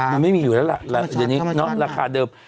มันไม่มีอยู่แล้วละราคาเดิม